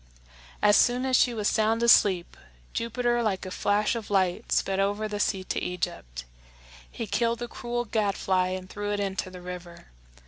As soon as she was sound asleep, Jupiter like a flash of light sped over the sea to Egypt. He killed the cruel gadfly and threw it into the river.